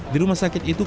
di rumah sakit itu